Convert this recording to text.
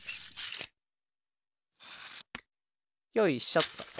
よいしょっと。